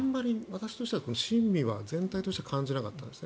私としては新味は全体としては感じなかったです。